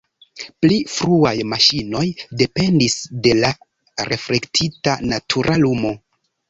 Pli fruaj maŝinoj dependis de la reflektita natura lumo.